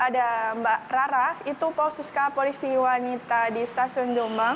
ada mbak rara itu polsuska polisi wanita di stasiun jombang